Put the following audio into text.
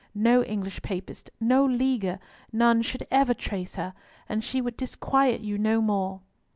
No English Papist, no Leaguer, none should ever trace her, and she would disquiet you no more."